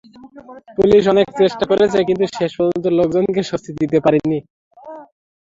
Police অনেক চেষ্টা করেছে, কিন্তু শেষ পর্যন্ত লোকজনকে স্বস্তি দিতে পারেনি।